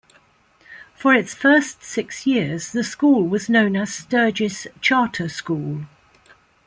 For its first six years, the school was known as Sturgis Charter School.